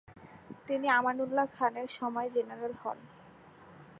তিনি আমানউল্লাহ খানের সময় জেনারেল হন।